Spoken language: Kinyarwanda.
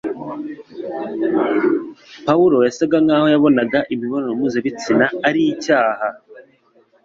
Pawulo yasaga nkaho yabonaga imibonano mpuzabitsina ari icyaha